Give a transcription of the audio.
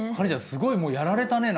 すごいもうやられたね。